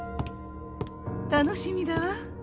楽しみだわ。